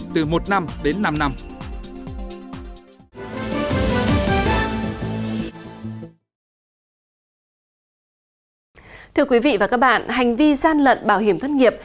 thưa quý vị và các bạn hành vi gian lận bảo hiểm thất nghiệp